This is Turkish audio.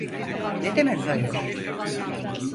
Ne demek hayır?